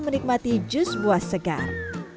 menikmati jus buah segar